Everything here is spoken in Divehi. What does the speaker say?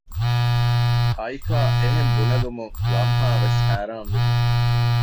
އައިކާ އެހެން ބުނެލުމުން ލަމްހާވެސް ހައިރާންވި